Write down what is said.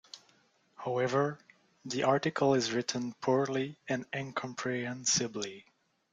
However, the article is written poorly and incomprehensibly.